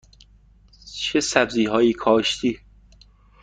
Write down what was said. چه سبزی هایی کاشتی؟